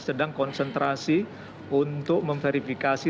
sedang konsentrasi untuk memverifikasi